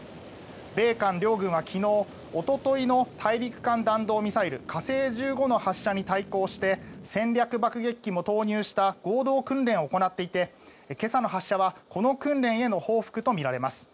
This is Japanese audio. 米韓両軍は昨日、おとといの大陸間弾道ミサイル、火星１５の発射に対抗して戦略爆撃機も投入した合同訓練を行っていて今朝の発射はこの訓練への報復とみられます。